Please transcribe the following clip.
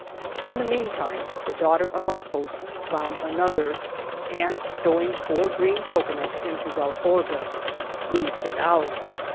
In the mean time the daughter of our host found anotheri and, stowing four green cocoanuts in his alforgas, we set out.